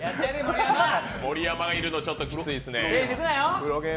盛山がいるのは、ちょっとキツイですね。